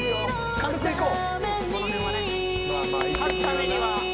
軽くいこう。